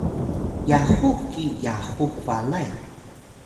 yahux ki yahux balay